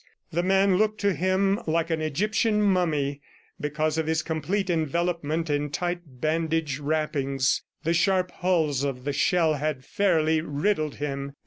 ... The man looked to him like an Egyptian mummy, because of his complete envelopment in tight bandage wrappings. The sharp hulls of the shell had fairly riddled him.